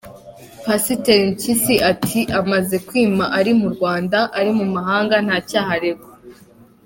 Pasiteri Mpyisi ati:“Amaze kwima, ari mu Rwanda, ari mu mahanga, nta cyaha aregwa.